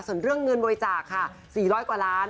ส่วนเรื่องเงินบริจาคค่ะ๔๐๐กว่าล้าน